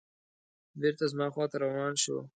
بېرته زما خواته روان شو.